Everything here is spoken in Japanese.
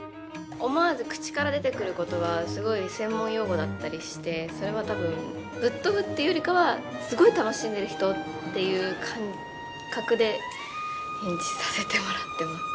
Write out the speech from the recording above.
思わず口から出てくる言葉はすごい専門用語だったりしてそれは多分ぶっ飛ぶっていうよりかはすごい楽しんでる人っていう感覚で演じさせてもらってます。